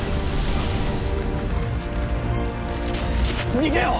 逃げよう！